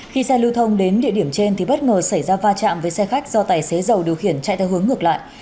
khi xe lưu thông đến địa điểm trên thì bất ngờ xảy ra va chạm với xe khách do tài xế giàu điều khiển chạy theo hướng ngược lại